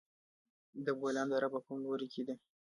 د بولان دره په کوم لوري کې ده؟